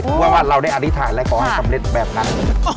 เพราะว่าเราได้อธิษฐานและขอให้สำเร็จแบบนั้น